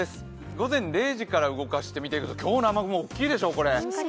午前０時から動かしてみていくと、今日の雨雲は大きいでしょう。